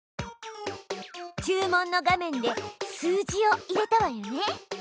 注文の画面で数字を入れたわよね。